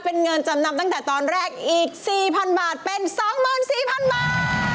เป็นเงินจำนำตั้งแต่ตอนแรกอีก๔๐๐๐บาทเป็น๒๔๐๐๐บาท